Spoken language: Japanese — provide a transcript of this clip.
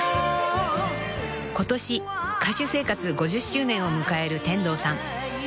［今年歌手生活５０周年を迎える天童さん］